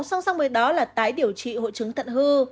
song song với đó là tái điều trị hội chứng tận hư